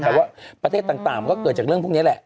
แต่ว่าประเทศต่างมันก็เกิดจากเรื่องพวกนี้แหละ